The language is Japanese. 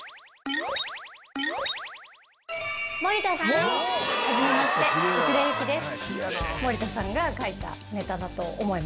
⁉森田さん！はじめまして内田有紀です。